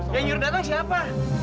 yang nyuruh datang siapa